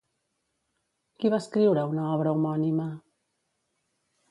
Qui va escriure una obra homònima?